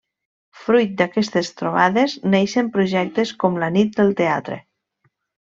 Fruit d’aquestes trobades neixen projectes com La Nit del Teatre.